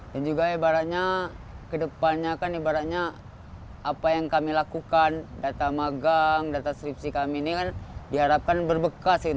dan juga ibaratnya ke depannya kan ibaratnya apa yang kami lakukan data magang data skripsi kami ini kan diharapkan berbekas